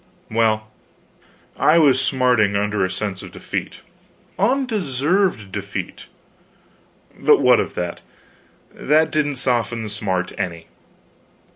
Well, I was smarting under a sense of defeat. Undeserved defeat, but what of that? That didn't soften the smart any.